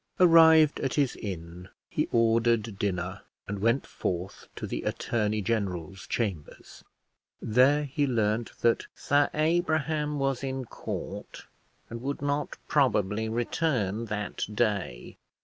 Arrived at his inn, he ordered dinner, and went forth to the attorney general's chambers. There he learnt that Sir Abraham was in Court, and would not probably return that day.